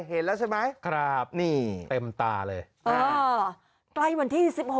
เห็นแล้วใช่ไหมครับนี่เต็มตาเลยใกล้วันที่๑๖